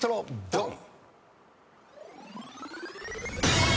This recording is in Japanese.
ドン！